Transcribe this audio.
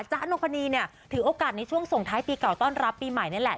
นกพนีเนี่ยถือโอกาสในช่วงส่งท้ายปีเก่าต้อนรับปีใหม่นี่แหละ